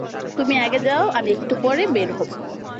তুমি আগে যাও, আমি একটু পর বের হবো।